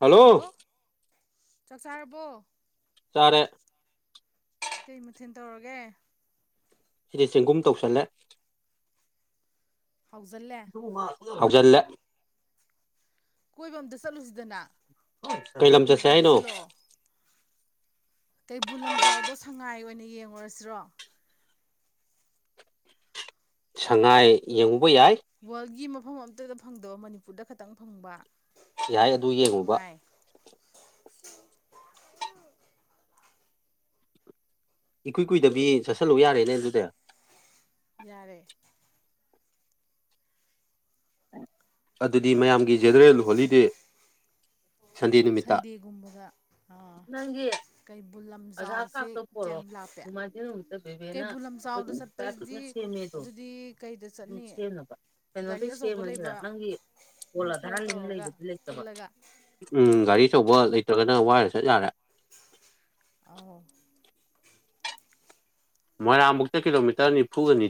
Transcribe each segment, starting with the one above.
hello ꯆꯥꯛ ꯆꯥꯔꯕꯣ ꯆꯔꯦ ꯀꯩ ꯃꯊꯤꯟ ꯇꯧꯔꯒꯦ ꯁꯤꯗꯤ ꯆꯦꯡꯒꯨꯝ ꯇꯧꯁꯜꯂꯦ ꯍꯥꯎꯖꯜꯂꯦ ꯍꯧꯥꯎ ꯆꯠꯂ ꯀꯣꯏꯕ ꯑꯃꯇ ꯆꯠꯂꯨꯁꯤꯗꯅ ꯀꯩ ꯂꯝꯝ ꯄꯤꯛꯅꯤꯛ ꯆꯁ ꯍꯥꯏꯥꯏ ꯑꯝꯇ ꯅꯣ ꯁꯤꯜꯂꯛꯑꯣ ꯀꯩꯕꯨꯜ ꯂꯝꯖꯥꯎꯗ ꯁꯉꯥꯏ ꯑꯣꯏꯅ ꯌꯦꯡꯉꯨꯔꯁꯤꯔꯣ ꯁꯉꯥꯏ ꯌꯦꯡꯉ ꯋꯥꯔꯜꯒꯤ ꯃꯐꯝ ꯑꯝꯇꯗ ꯐꯪꯗꯕ ꯃꯅꯤꯄꯨꯔꯗ ꯈꯇꯪ ꯐꯪꯕ ꯌꯥꯍꯥꯏ ꯑꯗꯨ ꯌꯦꯡꯉꯨꯕ ꯁꯉꯥꯏ ꯏꯀꯨꯏ ꯀꯨꯏꯗꯕꯤ ꯆꯠꯁꯜꯂꯨ ꯌꯥꯔꯦꯅꯦ ꯑꯗꯨꯗ ꯌꯥꯔꯦ ꯑꯗꯨꯗꯤ ꯃꯌꯥꯝꯒꯤ ꯖꯦꯅꯔꯦꯜ ꯍꯣꯂꯤꯗꯦ ꯁꯟꯗꯤꯤ ꯅꯨꯃꯤꯠꯇ ꯁꯟꯗꯦꯒꯨꯝꯕꯗ ꯑꯥ ꯅꯪꯒꯤ ꯀꯩꯕꯨꯜ ꯑꯙꯥꯔ ꯀꯥꯔꯇꯣ ꯂꯝꯖꯥꯎꯁꯦ ꯀꯌꯥꯝ ꯄꯣꯔꯛꯑꯣ ꯂꯥꯞꯄꯦ ꯅꯣꯡꯃꯥꯏꯖꯤꯡ ꯅꯨꯃꯤꯛꯇ ꯕꯦꯕꯦꯅ ꯀꯩꯕꯨꯜ ꯂꯝꯖꯥꯎꯗ ꯆꯠꯄꯁꯤꯗꯤ ꯑꯗꯨꯗꯤ ꯀꯩꯗ ꯆꯠꯅꯤ ꯒꯥꯔꯤ ꯑꯩꯈꯣꯏ ꯑꯆꯧꯕ ꯂꯩꯕ ꯣꯦ ꯃꯤ ꯀꯣꯂꯥꯙꯔꯥ ꯈꯔ ꯂꯅ ꯇꯧꯔꯒ ꯂꯩꯕꯗꯤ ꯂꯩꯇꯕ ꯄꯨꯜꯂꯒ ꯎꯝ ꯒꯥꯔꯤ ꯑꯆꯧꯕ ꯂꯩꯇ꯭ꯔꯒꯅ ꯋꯥꯔ ꯆꯠ ꯌꯥꯔꯦ ꯑ ꯃꯣꯏꯔꯥꯡꯃꯨꯛꯇ ꯀꯤꯂꯣꯃꯤꯇꯔ ꯅꯤꯐꯨꯒꯅꯤ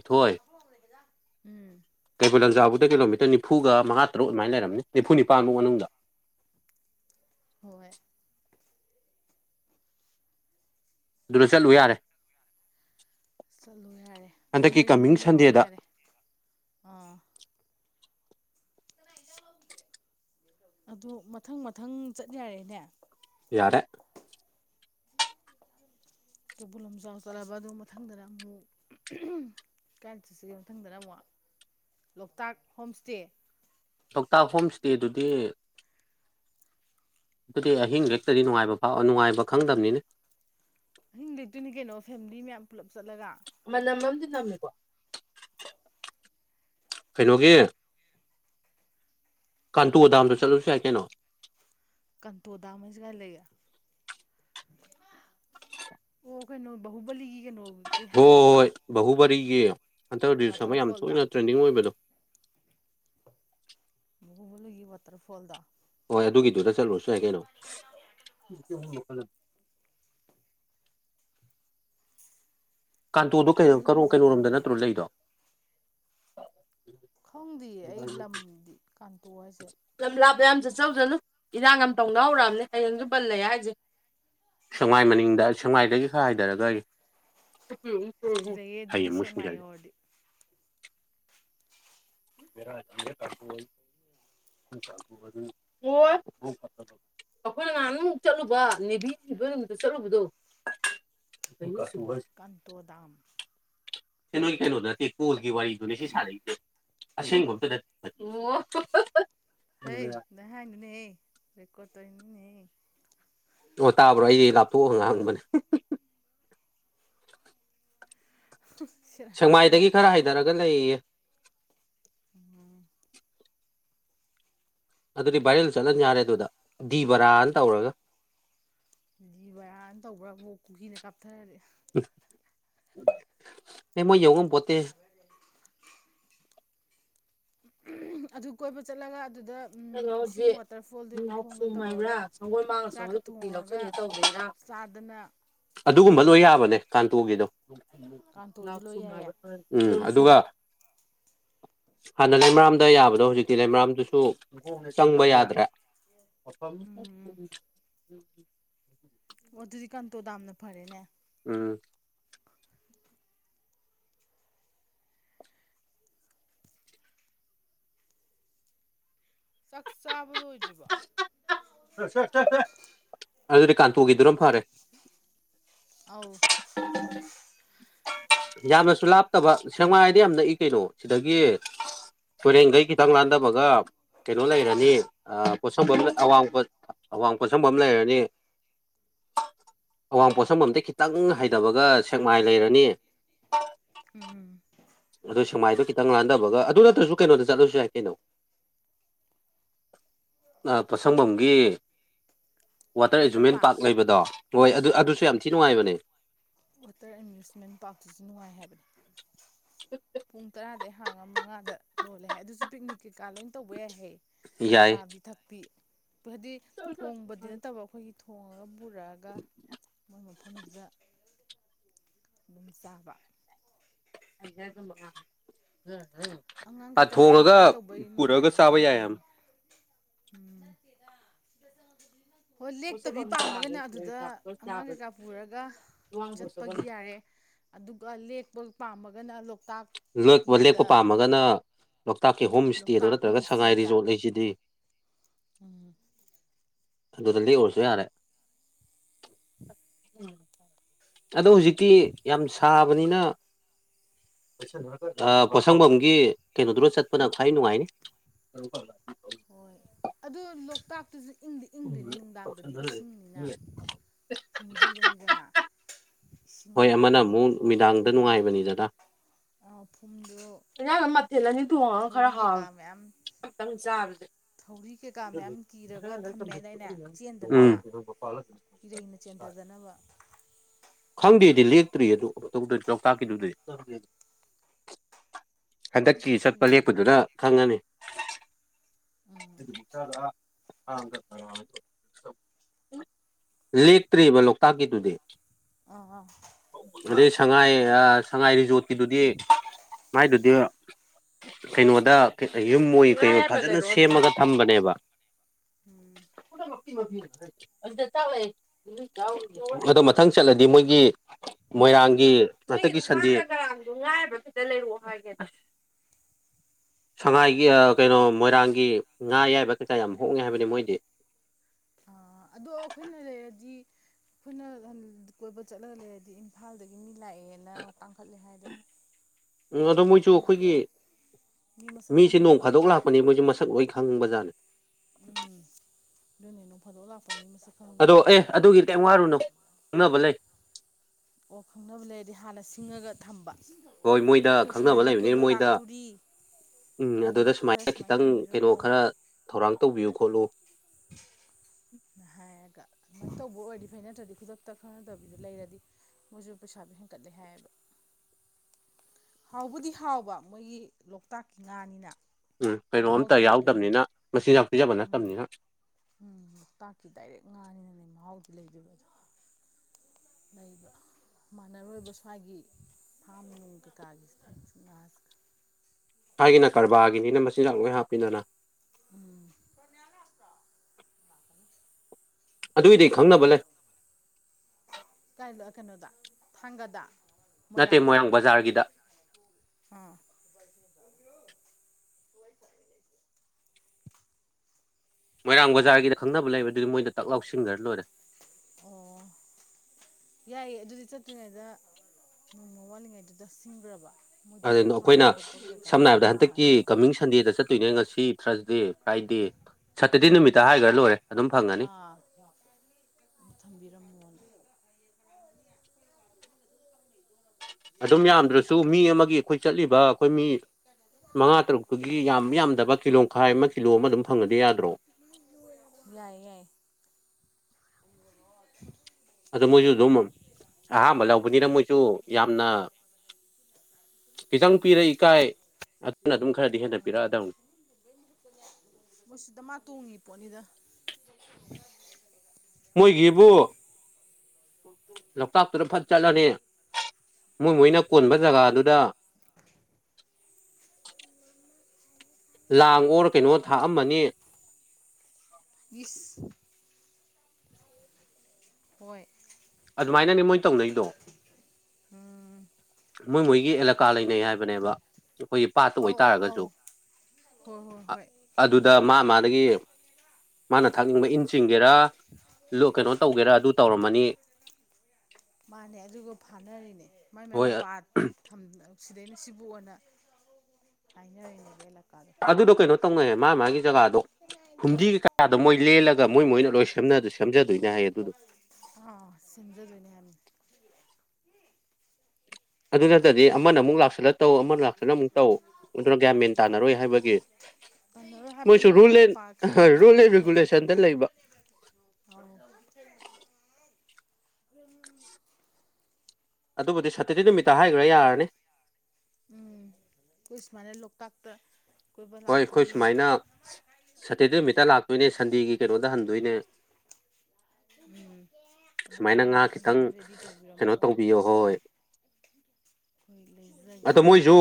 ꯎꯝ ꯑꯩꯣꯏ ꯂꯟꯖꯥꯕꯨꯗ ꯀꯤꯂꯣꯃꯤꯇꯔ ꯅꯤꯐꯨꯒ ꯃꯉꯥ ꯇꯔꯨꯛ ꯑꯗꯨꯃꯥꯏꯅ ꯂꯩꯔꯝꯅꯤ ꯅꯤꯐꯨ ꯅꯤꯄꯜꯃꯨꯛ ꯃꯅꯨꯡꯗ ꯍꯣꯏꯣꯏ ꯑꯗꯨꯗ ꯆꯠꯂꯨ ꯌꯥꯔꯦ ꯆꯠꯂꯣ ꯌꯥꯔꯦ ꯑꯗꯨ ꯍꯟꯗꯛꯀꯤ ꯃꯔꯤ ꯃꯔꯤ ꯀꯃꯤꯡ ꯌꯧꯔꯣꯒ ꯁꯟꯗꯦꯗ ꯌꯥꯔꯦ ꯑꯥ ꯑꯗꯨ ꯃꯊꯪ ꯃꯊꯪ ꯆꯠ ꯌꯥꯔꯦꯅꯦ ꯌꯥꯔꯦ ꯀꯩꯕꯨꯜ ꯂꯝꯖꯥꯎ ꯆꯠꯂꯕ ꯑꯗꯨ ꯃꯊꯪꯗꯅ ꯑꯃꯨꯛ ꯀꯥꯏ ꯆꯠꯁꯤꯒꯤ ꯃꯊꯪꯗꯅ ꯑꯃꯨꯛ ꯂꯣꯛꯇꯥꯛ ꯍꯣꯝ ꯏꯁꯇꯦ ꯂꯣꯛꯇꯥꯛ ꯍꯣꯝ ꯏꯁꯇꯦꯗꯨꯗꯤ ꯑꯗꯨꯗꯤ ꯑꯍꯤꯡ ꯍꯦꯛꯇꯗꯤ ꯅꯨꯡꯉꯥꯏꯕꯥꯎ ꯅꯨꯡꯉꯥꯏꯕ ꯈꯪꯗꯝꯕꯅꯤꯅꯦ ꯑꯍꯤꯡ ꯂꯩꯇꯣꯏꯅꯤ ꯀꯩꯅꯣ ꯐꯦꯃꯤꯂꯤ ꯃꯌꯥꯝ ꯄꯨꯂꯞ ꯆꯠꯂꯒ ꯝ ꯅꯀꯣ ꯍꯩꯅꯣꯒꯦ ꯀꯥꯟꯇꯨ ꯑꯗꯥꯝꯗ ꯆꯠꯂꯨꯁꯨ ꯌꯥꯏ ꯀꯩꯅꯣ ꯀꯟꯇꯣꯗꯥ ꯃꯁꯒ ꯂꯩꯒ ꯑꯣ ꯀꯩꯅꯩꯅꯣ ꯍꯨꯕꯂꯤꯒꯤ ꯀꯩꯅꯅꯣ ꯍꯣꯏ ꯍꯣꯏ ꯕꯥꯍꯨ ꯔꯤꯒꯤ ꯍꯟꯇꯗꯤꯁꯃ ꯌꯥꯝ ꯋꯥꯇꯔꯐꯣꯜꯗꯣ ꯇꯣꯏꯅ ꯇ꯭ꯔꯦꯟꯗꯤꯡ ꯑꯣꯏꯕꯗꯣ ꯋꯥꯇꯔꯐꯣꯜꯗ ꯍꯣꯏ ꯑꯗꯨꯒꯤꯗꯨꯗ ꯆꯠꯂꯨꯔꯁꯨ ꯌꯥꯏ ꯀꯩꯅꯣ ꯀꯥꯟꯇꯣꯗꯣ ꯑꯗꯨꯁꯨ ꯀꯩꯅꯣ ꯀꯩꯅꯣꯔꯣꯝꯗ ꯐꯖꯕꯅꯤꯅꯦ ꯅꯠꯇ꯭ꯔꯣ ꯂꯩꯗꯣ ꯈꯪꯗꯦꯌꯦ ꯑꯩ ꯂꯝꯗꯤ ꯀꯥꯟꯇꯣꯛ ꯍꯥꯏꯁꯦ ꯑ ꯌꯥꯝ ꯆꯠꯆꯧ ꯆꯠꯂꯨ ꯏꯔꯥꯡ ꯌꯥꯝ ꯇꯧꯅ ꯍꯧꯔꯛꯑꯕꯅꯦ ꯍꯌꯦꯡꯁꯨ ꯄꯜꯂ ꯍꯥꯏꯁꯦ ꯁꯦꯡꯃꯥꯏ ꯃꯅꯤꯡꯗ ꯁꯦꯡꯃꯥꯏꯗꯒꯤ ꯈꯔ ꯍꯥꯏꯊꯔꯒ ꯗ ꯑꯦ ꯍꯌꯦꯡ ꯑꯗꯨꯗꯤꯁ ꯑꯃꯨꯛ ꯃꯥꯏ ꯁꯤꯡꯖꯜꯂꯦ ꯑꯣꯣꯗꯤ ꯃꯔꯦ ꯀꯔ ꯑꯣ ꯑꯩꯈꯣꯏꯅ ꯉꯍꯥꯟ ꯑꯃꯨꯛ ꯆꯠꯂꯨꯕ ꯅꯦꯕꯤꯕ ꯅꯨꯃꯤꯠꯇ ꯆꯠꯂꯨꯕꯗꯣ ꯀꯟꯇꯗꯥꯝ ꯁꯤ ꯅꯣꯏ ꯀꯩꯅꯣꯗ ꯅꯠꯇꯦ ꯀꯣꯜꯒꯤ ꯋꯥꯔꯤꯗꯨꯅꯦ ꯁꯤ ꯁꯥꯥꯟꯅꯩꯁꯦ ꯑꯁꯦꯡꯒꯣ ꯍꯣꯏ ꯅꯅꯤꯅꯦ ꯔꯦꯀꯣ ꯇꯅꯤ ꯑꯣ ꯇꯥꯕ꯭ꯔꯣ ꯑꯩꯗꯤ ꯂꯥꯞꯊꯣꯛꯑ ꯉꯍꯪꯕꯅꯦ ꯑ ꯁꯦꯡꯃꯥꯏꯗꯒꯤ ꯈꯔ ꯍꯥꯏꯊꯔꯒ ꯂꯩꯌꯦ ꯎꯝ ꯑꯗꯨꯗꯤ ꯚꯥꯏꯔꯦꯜ ꯆꯠꯂꯅꯤ ꯌꯥꯔꯦ ꯑꯗꯨꯗ ꯗꯤ ꯕꯔꯥꯅ ꯇꯧꯔꯒ ꯖꯤꯕꯌꯥꯅ ꯇꯧꯕ꯭ꯔꯥꯕꯨ ꯀꯨꯀꯤꯅ ꯀꯥꯞꯊꯔꯗꯤ ꯑꯩ ꯃꯣꯏ ꯌꯧ ꯉꯝꯄꯣꯠꯇꯦ ꯍꯦ ꯑꯗꯨ ꯀꯣꯏꯕ ꯆꯠꯂꯒ ꯑꯗꯨꯗ ꯏꯁꯤꯡ ꯋꯥꯇꯔꯐꯣꯜꯗꯨ ꯃꯈꯣꯡꯗ ꯇꯧꯔꯒ ꯆꯥꯛꯀ ꯊꯣꯡꯉꯒ ꯆꯥꯗꯅ ꯑꯗꯨꯒꯨꯝꯕ ꯂꯣꯏ ꯌꯥꯕꯅꯦ ꯀꯟꯇꯣ ꯒꯤꯗꯣ ꯀꯥꯡꯇꯣꯁꯨ ꯂꯣꯏ ꯌꯥꯏꯌꯦ ꯎꯝ ꯑꯗꯨꯒ ꯍꯥꯟꯅ ꯂꯩꯃꯔꯥꯝꯗ ꯌꯥꯕꯗꯣ ꯍꯧꯖꯤꯛꯇꯤ ꯂꯩꯃꯔꯥꯝꯗꯨꯁꯨ ꯆꯪꯕ ꯌꯥꯗ꯭ꯔꯦ ꯎꯝ ꯑꯗꯨꯗꯤ ꯀꯟꯇꯣ ꯗꯥꯝꯅ ꯐꯔꯦꯅꯦ ꯎꯝ ꯆꯥꯛ ꯆꯥꯕꯥ ꯂꯣꯏꯗꯔꯤꯕꯣ ꯑꯗꯨꯗꯤ ꯀꯟꯇꯣ ꯒꯤꯗꯨꯅ ꯑꯧ ꯌꯥꯝꯅꯁꯨ ꯂꯥꯞꯇꯕ ꯁꯦꯡꯃꯥꯏꯗꯤ ꯌꯥꯝ ꯅꯛꯏ ꯀꯩꯅꯣ ꯁꯤꯗꯒꯤ ꯀꯣꯏꯔꯦꯡꯒꯩ ꯈꯤꯇꯪ ꯂꯥꯟꯗꯕꯒ ꯀꯩꯅꯣ ꯂꯩꯔꯅꯤ ꯄꯣꯠꯁꯐꯝ ꯑꯋꯥꯡ ꯑꯋꯥꯡ ꯄꯣꯠꯁꯪꯐꯝ ꯂꯩꯔꯅꯤ ꯎꯝ ꯑꯋꯥꯡ ꯄꯣꯠꯁꯝꯕꯥꯝ ꯗꯩ ꯈꯤꯇꯪ ꯍꯥꯏꯊꯕꯒ ꯁꯦꯛꯃꯥꯏ ꯂꯩꯔꯅꯤ ꯎꯝ ꯑꯗꯣ ꯁꯦꯡꯃꯥꯏꯗꯣ ꯈꯤꯇꯪ ꯂꯥꯟꯊꯕꯒ ꯑꯗꯨ ꯅꯠꯇ꯭ꯔꯁꯨ ꯀꯩꯅꯣꯗ ꯆꯠꯂꯥꯁꯨ ꯌꯥꯏ ꯀꯩꯅꯣ ꯑ ꯄꯣꯠꯁꯪꯕꯥꯝ ꯒꯤ ꯋꯥꯇꯔ ꯑꯦꯖꯨꯃꯦꯟ ꯄꯥꯔꯛ ꯂꯩꯕꯗꯣ ꯍꯣꯏ ꯑꯗꯨ ꯑꯗꯨ ꯋꯥꯇꯔ ꯑꯦꯃ꯭ꯌꯨꯁꯃꯦꯟ ꯄꯥꯔꯇꯨꯁꯨ ꯅꯨꯡꯉꯥꯏ ꯍꯥꯏꯕꯅꯤ ꯄꯨꯡ ꯇꯔꯥꯗꯩ ꯍꯥꯡꯉ ꯃꯉꯥꯗ ꯂꯣꯜꯂꯦ ꯍꯥꯏ ꯑꯗꯨꯁꯨ ꯄꯤꯛꯅꯤꯛ ꯀꯩꯀꯥ ꯂꯣꯏ ꯇꯧꯕ ꯌꯥꯏꯍꯦ ꯌꯥꯏ ꯆꯥꯕꯤ ꯊꯛꯄꯤ ꯍꯥꯏꯗꯤ ꯊꯣꯡꯕꯗꯤ ꯅꯠꯇꯕ ꯑꯩꯈꯣꯏꯒꯤ ꯊꯣꯡꯉꯒ ꯄꯨꯔꯛꯑꯒ ꯑꯗꯨ ꯃꯐꯝꯗꯨꯗ ꯑꯗꯨꯝ ꯆꯥꯕ ꯑ ꯑꯗꯨ ꯃꯥ ꯎꯝ ꯑꯉꯥꯡ ꯀꯩꯀꯥ ꯑꯦꯟꯖꯣꯏ ꯇꯧꯕꯩ ꯄꯨꯔꯒ ꯅꯨꯡꯉꯥꯏꯕꯗꯤ ꯆꯥꯕ ꯑꯗꯨꯅ ꯌꯥꯏ ꯌꯥꯝ ꯑꯣꯏꯅꯤ ꯎꯝ ꯍꯣꯏ ꯂꯦꯛꯇꯕꯤ ꯄꯥꯝꯃꯒꯅ ꯑꯗꯨꯗ ꯑꯉꯥꯡ ꯀꯩꯀꯥ ꯄꯨꯔꯒ ꯆꯠꯄꯒꯤ ꯌꯥꯔꯦ ꯑꯗꯨꯒ ꯂꯦꯛꯄ ꯄꯥꯝꯃꯒ ꯂꯣꯛ ꯂꯦꯛꯄ ꯄꯥꯝꯃꯒꯅ ꯂꯣꯛꯇꯥꯛꯀꯤ ꯍꯣꯝ ꯏꯁꯇꯦꯗꯣ ꯂꯣꯛꯇꯥꯛ ꯍꯣꯝ ꯅꯠꯇ꯭ꯔꯒ ꯁꯉꯥꯏ ꯏꯁꯇꯦꯗ ꯔꯤꯖꯣꯔꯠ ꯂꯩꯁꯤꯗꯤ ꯎꯝ ꯑꯗꯨꯗ ꯂꯦꯛꯎꯔꯁꯨ ꯌꯥꯔꯦ ꯑꯗꯣ ꯍꯧꯖꯤꯛꯇꯤ ꯌꯥꯝ ꯁꯥꯕꯅꯤꯅ ꯄꯣꯠꯁꯪꯐꯝꯝꯒꯤ ꯀꯩꯅꯣꯗꯨꯗ ꯆꯠꯄꯅ ꯈ꯭ꯋꯥꯏ ꯅꯨꯡꯉꯥꯏꯅꯤ ꯐꯔ ꯂ ꯍꯣꯏ ꯑꯗꯨ ꯂꯣꯛꯇꯥꯛꯇꯁꯨ ꯏꯪꯗꯤ ꯏꯪꯗꯣꯏꯅꯤ ꯅꯨꯡꯗꯥꯡꯗꯗꯤ ꯏꯁꯤꯡꯅꯤꯅ ꯐꯨꯝꯗꯤꯗꯅꯤꯗꯅ ꯏꯁꯤꯡ ꯍꯣꯏ ꯑꯃꯅ ꯃꯌꯥꯏꯗꯨꯗ ꯑꯃꯨꯛ ꯅꯨꯃꯤꯗꯥꯡꯗ ꯅꯨꯡꯉꯥꯏꯕꯅꯤ ꯗꯅꯥ ꯑ ꯐꯨꯝꯗ ꯍꯦꯟꯁꯪꯁꯦ ꯃꯊꯦꯜ ꯑꯅꯤ ꯊꯣꯡꯉꯒ ꯈꯔ ꯍꯥꯎꯋꯦ ꯃꯌꯥꯝ ꯑꯃꯇꯪ ꯆꯥꯕꯁꯤꯗꯤ ꯊꯧꯔꯤ ꯀꯩꯀꯥ ꯃꯌꯥꯝ ꯀꯤꯔꯒ ꯊꯝꯃꯦꯗꯥꯏꯅꯦ ꯎꯝ ꯆꯦꯟꯗꯅꯕ ꯏꯔꯩꯅ ꯆꯦꯟꯗꯗꯅ ꯖꯅꯅꯕ ꯈꯪꯗꯦꯗꯤ ꯂꯦꯛꯇ꯭ꯔꯤ ꯑꯗꯨ ꯇꯗꯗꯤ ꯂꯣꯛꯇꯥꯛꯀꯤꯗꯨꯗꯗꯤ ꯍꯟꯗꯛꯀꯤ ꯑꯗꯨꯁꯨ ꯆꯠꯄ ꯌꯥꯏ ꯂꯦꯛꯞꯄꯗꯨꯅ ꯈꯪꯉꯅꯤ ꯎꯝ ꯑꯗꯨ ꯆꯥ ꯂꯦꯛꯇ꯭ꯔꯤꯕ ꯂꯣꯛꯇꯥꯛꯀꯤꯗꯨꯗꯤ ꯑꯥ ꯑꯥ ꯑ ꯁꯉꯥꯏ ꯁꯉꯥꯏꯔꯤꯖꯣ ꯀꯗꯨꯗꯤ ꯃꯥꯏꯗꯨꯗꯤ ꯀꯩꯅꯣꯗ ꯌꯨꯝ ꯃ ꯀꯩꯅꯣ ꯐꯖꯅ ꯁꯦꯝꯃꯒ ꯊꯝꯕꯅꯦꯕ ꯎꯝ ꯀꯗ ꯄꯀꯤ ꯃ ꯑꯗꯣ ꯃꯊꯪ ꯆꯠꯂꯗꯤ ꯃꯣꯏꯒꯤ ꯃꯣꯏꯔꯥꯡꯒꯤ ꯟ ꯉꯥꯏꯗ ꯂꯩꯔꯑꯣ ꯍꯥꯏꯒꯦ [inaudible] ꯁꯉꯥꯏꯒꯤ ꯀꯩꯅꯣ ꯃꯣꯏꯔꯥꯡꯒꯤ ꯉꯥ ꯌꯥꯏꯕ ꯀꯩꯀꯥ ꯌꯥꯝ ꯍꯣꯡꯉ ꯍꯥꯏꯕꯅꯤ ꯃꯣꯏꯗꯤ ꯑꯥ ꯑꯗꯣ ꯑꯩꯈꯣꯏꯅ ꯂꯩꯔꯗꯤ ꯑꯩꯈꯣꯏꯅ ꯀꯣꯏꯕ ꯆꯠꯂꯒ ꯂꯩꯔꯗꯤ ꯏꯝꯐꯥꯜꯗꯒꯤ ꯃꯤ ꯂꯥꯛꯑꯦ ꯍꯦꯟꯅ ꯇꯥꯡꯈꯠꯂꯦ ꯍꯥꯏꯗꯣ ꯎ ꯑꯗꯣ ꯃꯣꯏꯁꯨ ꯑꯩꯈꯣꯏꯒꯤ ꯃꯤ ꯃꯁꯛ ꯃꯤꯁꯦ ꯅꯣꯡ ꯈꯪꯉꯦꯕ ꯐꯥꯗꯣꯛ ꯂꯥꯛꯄꯅꯤ ꯃꯣꯏꯁꯨ ꯃꯁꯛ ꯑꯣꯏ ꯍꯪꯕꯖꯥꯠꯅꯤ ꯎꯝ ꯅꯤ ꯅꯣꯡ ꯐꯗꯣ ꯂꯥꯛ ꯑꯗꯣ ꯑꯦ ꯑꯗꯨꯒꯤ ꯀꯔꯤꯝ ꯋꯥꯔꯨꯅꯣ ꯈꯪꯅꯕ ꯂꯩ ꯑꯣ ꯈꯪꯅꯕ ꯂꯩꯔꯗꯤ ꯍꯥꯟꯅ ꯁꯤꯡꯉꯒ ꯊꯝꯕ ꯍꯣꯏ ꯃꯣꯏꯗ ꯑꯩꯈꯣꯏ ꯈꯪꯅꯕ ꯁꯨꯃꯥꯏꯅ ꯂꯩꯕꯅꯤꯅ ꯀꯣꯏꯕ ꯃꯣꯏꯗ ꯂꯥꯛꯇꯣꯔꯤ ꯎꯝ ꯑꯗꯨꯗ ꯁꯨꯃꯥꯏꯅ ꯈꯤꯇꯪ ꯀꯩꯅꯣ ꯈꯔ ꯊꯧꯔꯥꯡ ꯇꯧꯕꯤꯌꯨ ꯈꯣꯠꯂꯨ ꯍꯥꯛ ꯇꯧꯕ ꯑꯣꯏꯔꯗꯤ ꯐꯩ ꯅꯠꯇ꯭ꯔꯗꯤ ꯈꯨꯗꯛꯇ ꯈꯪꯅꯗꯕꯤꯗ ꯂꯩꯔꯗꯤ ꯃꯣꯏꯁꯨ ꯄꯩꯁꯥꯗꯣ ꯍꯦꯟꯀꯠꯂꯦ ꯍꯥꯏꯌꯦꯕ [unintelligible] ꯍꯥꯎꯕꯨꯗꯤ ꯍꯥꯎꯕ ꯃꯣꯏꯒꯤ ꯂꯣꯛꯇꯥꯛꯀꯤ ꯉꯥꯅꯤꯅ ꯎꯝ ꯀꯩꯅꯣꯝ ꯑꯝꯇ ꯃꯍꯥꯎꯗꯤ ꯂꯩꯗꯣꯏꯅꯦꯕ ꯌꯥꯎꯗꯕꯅꯤꯅ ꯃꯆꯤꯟꯖꯥꯛ ꯄꯤꯖꯕ ꯎꯝ ꯅꯠꯇꯕꯅꯤꯅ ꯎꯝ ꯂꯣꯛꯇꯥꯛꯀꯤ ꯗꯥꯏꯔꯦꯛ ꯉꯥꯅꯤꯅꯅꯦ ꯃꯍꯥꯎꯗ [unintelligible] ꯃꯥꯟꯅꯔꯣꯏꯕ ꯁ꯭ꯋꯥꯏꯒꯤ ꯐꯥꯝ ꯅꯨꯡ ꯀꯩꯀꯥꯒꯤ ꯉꯥꯁꯦ ꯁꯋꯥꯏꯒꯤꯅ ꯀꯔꯕꯥꯔꯒꯤꯅꯤꯅ ꯃꯆꯤꯟꯖꯥꯛ ꯂꯣꯏ ꯍꯥꯞꯄꯤꯗꯅ ꯎꯝ ꯑꯗꯨꯏꯗꯤ ꯈꯪꯅꯕ ꯂꯩ ꯀꯥꯏ ꯀꯩꯅꯣꯗ ꯊꯥꯡꯒꯗ ꯅꯠꯇꯦ ꯃꯣꯏꯔꯥꯡꯗ ꯃꯣꯏꯔꯥꯡ ꯕꯖꯥꯔꯒꯤꯗ ꯑꯥ [unintelligible] ꯃꯣꯏꯔꯥꯡ ꯕꯖꯥꯔꯒꯤꯗ ꯈꯪꯅꯕ ꯂꯩꯕ ꯑꯗꯨꯗꯤ ꯃꯣꯏꯗ ꯇꯥꯛ ꯂꯥꯎ ꯁꯤꯟꯈ꯭ꯔ ꯂꯣꯏꯔꯦ ꯑꯣ ꯌꯥꯏꯌꯦ ꯑꯗꯨꯗꯤ ꯆꯠꯇ꯭ꯔꯤꯉꯩꯗ ꯅꯣꯡꯃ ꯋꯥꯠꯂꯤꯉꯩꯗꯨꯗ ꯁꯤꯡꯈ꯭ꯔꯕ ꯑꯗꯣ ꯃꯣꯏꯗꯁꯨ ꯐꯥꯕ ꯑꯩꯈꯣꯏꯅ ꯈꯣꯠꯄ ꯀꯩꯀꯥ ꯁꯝꯅ ꯍꯥꯏꯔꯕꯗ ꯇꯧꯕꯗ ꯍꯟꯗꯛꯀꯤ ꯅꯨꯡꯉꯥꯏꯅꯕ ꯀꯃꯤꯡ ꯁꯟꯗꯦꯗ ꯆꯠꯇꯣꯏꯅꯦ ꯉꯁꯤ ꯊꯔꯁꯗꯦ ꯐ꯭ꯔꯥꯏꯗꯦ ꯁꯇꯔꯗꯦ ꯅꯨꯃꯤꯠꯇ ꯍꯥꯏꯈ꯭ꯔ ꯂꯣꯏꯔꯦ ꯑꯗꯨꯝ ꯐꯪꯉꯅꯤ ꯑꯥ ꯊꯝꯕꯤꯔꯝꯃꯣꯅ ꯑꯗꯨꯝ ꯌꯥꯝꯗ꯭ꯔꯁꯨ ꯃꯤ ꯑꯃꯒꯤ ꯑꯩꯈꯣꯏ ꯆꯠꯂꯤꯕ ꯑꯩꯈꯣꯏ ꯃꯤ ꯃꯉꯥ ꯇꯔꯨꯛꯇꯨꯒꯤ ꯌꯥꯝ ꯌꯥꯝꯗꯕ ꯀꯤꯂꯣ ꯃꯈꯥꯏ ꯑꯃ ꯀꯤꯂꯣ ꯑꯃ ꯑꯗꯨꯝ ꯐꯪꯉꯗꯤ ꯌꯥꯗ꯭ꯔꯣ ꯌꯥꯏ ꯌꯥꯏ ꯑꯗ ꯃꯣꯏꯁꯨ ꯑꯗꯨꯝ ꯑꯍꯥꯝꯕ ꯂꯧꯕꯅꯤꯅ ꯃꯣꯏꯁꯨ ꯌꯥꯝꯅ ꯈꯤꯇꯪ ꯄꯤꯔ ꯏꯀꯥꯏ ꯑꯗꯨꯅ ꯑꯗꯨꯝ ꯈꯔꯗꯤ ꯍꯦꯟꯅ ꯄꯤꯔꯛꯑꯗꯕꯅꯤ ꯃꯁꯤꯗ ꯃꯥ ꯇꯣꯡꯉꯤ ꯄꯣꯠꯅꯤꯗ ꯃꯣꯏꯒꯤꯕꯨ ꯂꯣꯛꯇꯥꯛꯇꯨꯗ ꯐꯠ ꯆꯠꯂꯅꯤ ꯃꯣꯏ ꯃꯣꯏꯅ ꯀꯣꯟꯕ ꯖꯒꯥꯗꯨꯗ [unintelligible] ꯂꯥꯡ ꯑꯣꯔ ꯀꯩꯅꯣ ꯊꯥꯛꯑꯝꯃꯅꯤ ꯏꯁ ꯍꯣꯏ ꯑꯗꯨꯃꯥꯏꯅꯅꯦ ꯃꯣꯏ ꯇꯧꯅꯩꯗꯣ ꯎꯝ ꯃꯣꯏ ꯃꯣꯏꯒꯤ ꯑꯦꯂꯥꯀꯥ ꯂꯩꯅꯩ ꯍꯥꯏꯕꯅꯦꯕ ꯑꯩꯈꯣꯏꯒꯤ ꯄꯥꯠꯇ ꯑꯧ ꯑꯧ ꯑꯣꯏꯇꯥꯔꯒꯁꯨ ꯑꯧ ꯍꯣꯏ ꯍꯣꯏ ꯍꯣꯏ ꯑꯗꯨꯗ ꯃꯥ ꯃꯥꯗꯒꯤ ꯃꯥꯅ ꯊꯥꯛꯅꯤꯡꯕ ꯏꯟ ꯆꯤꯡꯒꯦꯔꯥ ꯀꯩꯅꯣ ꯇꯧꯒꯦꯔꯥ ꯑꯗꯨ ꯇꯧꯔꯝꯃꯅꯤ ꯃꯥꯅꯦ ꯑꯗꯨꯒ ꯐꯥꯅꯔꯤꯅꯦ ꯃꯥꯏ ꯃꯥꯏ ꯍꯣꯏ ꯃꯄꯥ ꯊꯝ ꯁꯤꯗꯩꯅ ꯁꯤꯕꯨ ꯑꯣꯏꯅ ꯍꯥꯏꯅꯔꯤꯅꯦꯕ ꯑꯦꯂꯀꯥ ꯑꯗꯨꯗꯣ ꯀꯩꯅꯣ ꯇꯧꯅꯩ ꯃꯥ ꯃꯥꯒꯤ ꯖꯒꯥꯗꯣ ꯐꯨꯝꯗꯤꯒꯤ ꯀꯥꯗꯣ ꯃꯣꯏ ꯂꯦꯜꯂꯒ ꯃꯣꯏ ꯃꯣꯏꯅ ꯂꯣꯏ ꯂꯦꯜꯂꯒ ꯁꯦꯝꯖꯗꯣꯏꯅꯦ ꯍꯥꯏꯌꯦ ꯑꯗꯨꯗꯣ ꯑ ꯁꯦꯝꯖꯗꯣꯏꯅꯦ ꯍꯥꯏꯕꯅꯦ ꯑꯗꯨ ꯅꯠꯇꯗꯤ ꯑꯃꯅ ꯑꯃꯨꯛ ꯂꯥꯛꯁꯤꯜꯂꯛ ꯇꯧ ꯑꯃ ꯂꯥꯛꯇꯨꯅ ꯑꯃꯨꯛ ꯇꯧ ꯑꯗꯨꯅ ꯒ꯭ꯌꯥꯟ ꯃꯦꯟ ꯇꯥꯅꯔꯣꯏ ꯍꯥꯏꯕꯒꯤ ꯇꯝꯅꯔꯣꯏ ꯍꯥꯏꯕ ꯃꯣꯏꯁꯨ ꯃꯥꯏ ꯃꯥꯏ ꯔꯨꯜ ꯑꯦꯟ ꯃꯄꯥ ꯔꯨꯜ ꯈꯥꯏꯗꯣꯛꯄꯗꯨꯅꯗꯤ ꯑꯦꯟ ꯐꯩꯅꯦ ꯔꯤꯒꯨꯂꯦꯁꯟꯗ ꯂꯩꯕ [unintelligible] ꯑꯗꯨꯕꯨꯗꯤ ꯁꯇꯔꯗꯦ ꯅꯨꯃꯤꯠꯇ ꯍꯥꯏꯈ꯭ꯔꯥ ꯌꯥꯔꯅꯤ ꯎꯝ ꯈꯣꯏꯁꯨꯃꯥꯏꯅꯥ ꯂꯇꯥꯛꯇ ꯍꯣꯏ ꯑꯩꯈꯣꯏ ꯁꯨꯃꯥꯏꯅ ꯁꯇꯔꯗꯦ ꯅꯨꯃꯤꯠꯇ ꯂꯥꯛꯇꯣꯏꯅꯦ ꯁꯟꯗꯦꯒꯤ ꯀꯩꯅꯣꯗ ꯍꯟꯗꯣꯏꯅꯦ ꯎꯝ ꯑꯗꯨꯅ ꯁꯨꯃꯥꯏꯅ ꯉꯥꯗꯣ ꯉꯥ ꯑꯩꯈꯣꯏ ꯈꯤꯇꯪ ꯁꯨꯃꯥꯏꯅ ꯔꯦꯗꯤ ꯇꯧꯕꯤꯔꯝꯃꯣ ꯀꯩꯅꯣ ꯇꯧꯕꯤꯌꯣ ꯍꯣꯏ ꯑꯩꯈꯣꯏ ꯑꯗꯣ ꯂꯩꯖꯒꯦ ꯃꯣꯏꯁꯨ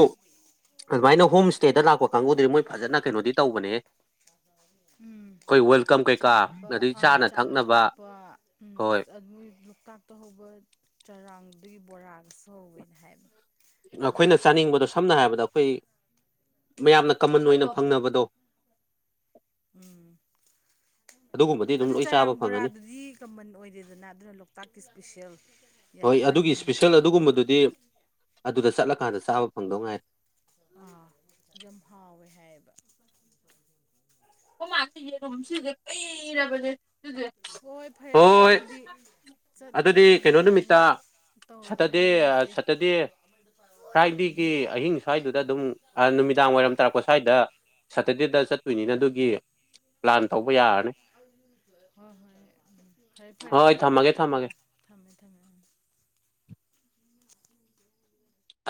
ꯑꯗꯨꯃꯥꯏꯅ ꯍꯣꯝ ꯏꯁꯇꯦꯗ ꯂꯥꯛꯄ ꯀꯥꯡꯕꯨꯨꯗꯗꯤ ꯃꯣꯏ ꯐꯖꯅ ꯀꯩꯅꯣꯗꯤ ꯇꯧꯕꯅꯦ ꯑ ꯎꯝ ꯑꯩꯈꯣꯏ ꯋꯦꯜꯀꯝ ꯀꯩꯀꯥ ꯆꯥꯕ ꯑꯗꯩ ꯑꯥ ꯆꯥꯅ ꯆꯥꯕ ꯊꯛꯅꯕ ꯊꯛꯄ ꯎ ꯍꯣꯏ ꯑꯁ ꯑꯗꯨ ꯂꯣꯛꯇꯥꯛ ꯇ ꯍꯧꯕ ꯆꯔꯥꯡꯗꯨꯒꯤ ꯕꯣꯔꯥꯒꯁꯨ ꯍꯧꯋꯦꯅ ꯍꯥꯏꯕ ꯑꯩꯈꯣꯏꯅ ꯆꯥꯅꯤꯡꯕꯗꯣ ꯁꯝꯅ ꯍꯥꯏꯔꯕꯗ ꯑꯩꯈꯣꯏ ꯃꯌꯥꯝꯅ ꯀꯃꯟ ꯑꯣꯏꯅ ꯐꯪꯅꯕꯗꯣ ꯎꯝ ꯑꯗꯨꯒꯨꯝꯕꯗꯤ ꯑꯗꯨꯝ ꯑꯗꯨ ꯂꯣꯏ ꯆꯥꯕ ꯆꯔꯥꯡ ꯐꯪꯉꯅꯤ ꯕꯣꯔꯥꯗꯨꯗꯤ ꯀꯃꯟ ꯑꯣꯏꯗꯦꯗꯅ ꯑꯗꯨꯅ ꯂꯣꯛꯇꯥꯛꯀꯤ ꯏꯁꯄꯤꯁꯦꯜ ꯍꯣꯏ ꯌꯥꯏꯄꯟ ꯑꯗꯨꯒꯤ ꯏꯁꯄꯤꯁꯦꯜ ꯑꯗꯨ ꯕꯣꯔꯥ ꯑꯗꯨꯒꯨꯝꯕꯗꯨꯗꯤ ꯑꯗꯨꯗ ꯆꯠꯂꯀꯥꯟꯗ ꯆꯥꯕ ꯐꯪꯗꯧ ꯉꯥꯏ ꯑꯥ ꯌꯥꯝꯝꯍꯥꯎꯋꯦ ꯍꯥꯏꯌꯦꯕ ꯑꯣꯃꯁꯦ ꯌꯦꯔꯨꯝ ꯁꯤꯁꯦ ꯀꯩꯔꯕꯁꯦ ꯍꯣꯏ ꯐꯔꯦ ꯐꯔꯦ ꯑꯗꯨꯗꯤ ꯑꯗꯨꯗꯤ ꯆꯠꯅꯕꯒꯤ ꯀꯩꯅꯣ ꯄ꯭ꯂꯥꯅꯤꯡ ꯅꯨꯃꯤꯠꯇ ꯇꯧꯔꯒ ꯁꯇꯔꯗꯦ ꯍꯥꯏꯅꯔꯁꯦ ꯁꯇꯔꯗꯦ ꯐ꯭ꯔꯥꯏꯗꯦꯒꯤ ꯑꯍꯤꯡ ꯁ꯭ꯋꯥꯏꯗꯨꯗ ꯑꯗꯨꯝ ꯅꯨꯃꯤꯗꯥꯡ ꯋꯥꯏꯔꯝ ꯇꯥꯔꯛꯄ ꯁ꯭ꯋꯥꯏꯗ ꯁꯇꯔꯗꯦꯗ ꯆꯠꯇꯣꯏꯅꯤꯅ ꯑꯗꯨꯒꯤ ꯄ꯭ꯂꯥꯟ ꯇꯧꯕ ꯌꯥꯔꯅꯤ ꯍꯣꯏ ꯍꯣꯏ ꯎꯝ ꯐꯔꯦ ꯐꯔꯦ ꯍꯣꯏ ꯊꯝꯃꯒꯦ ꯎꯝ ꯊꯝꯃꯒꯦ ꯎꯝ ꯊꯝꯃꯦ ꯊꯝꯃꯦ ꯎꯝ ꯎꯝ